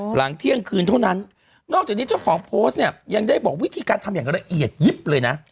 หลังเที่ยงคืนเท่านั้นนอกจากนี้เจ้าของโพสต์เนี่ยยังได้บอกวิธีการทำอย่างละเอียดยิบเลยนะ